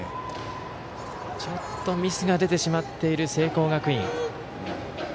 ちょっとミスが出てしまっている聖光学院。